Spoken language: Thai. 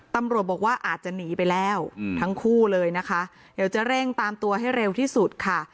ตำรวจบอกว่าอาจจะหนีไปแล้วทั้งคู่เลยนะคะเดี๋ยวจะเร่งตามตัวให้เร็วที่สุดค่ะ